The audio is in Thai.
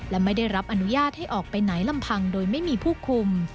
และไม่ได้รับอนุญาตให้ออกไปไหนลำพังโดยไม่มีผู้คุม